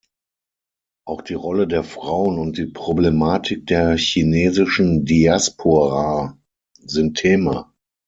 Auch die Rolle der Frauen und die Problematik der chinesischen Diaspora sind Thema.